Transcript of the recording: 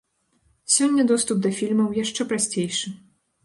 Сёння доступ да фільмаў яшчэ прасцейшы.